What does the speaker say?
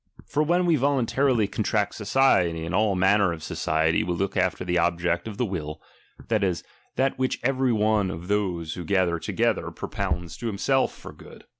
For when we voluntarily contract society, in all manner of society we look after the object of the wii, that isj that which every one of those who ga ther together, propounds to himself for good.